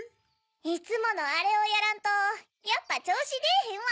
いつものあれをやらんとやっぱちょうしでぇへんわ。